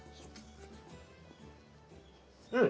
うん。